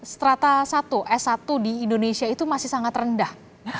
strata satu s satu di indonesia itu masih sangat rendah